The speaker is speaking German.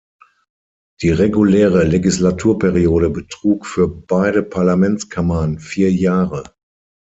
Die reguläre Legislaturperiode betrug für beide Parlamentskammern vier Jahre.